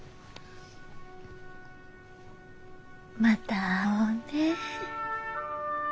また会おうね。